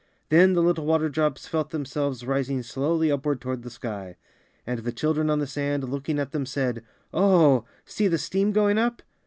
Then the little water drops felt themselves rising slowly upward toward the sky. And the children on the sand Icmking at them said: ^^Oh, see the steam going up!"